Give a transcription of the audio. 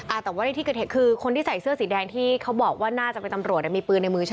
แต่ว่าในที่เกิดเหตุคือคนที่ใส่เสื้อสีแดงที่เขาบอกว่าน่าจะเป็นตำรวจอ่ะมีปืนในมือใช่ไหม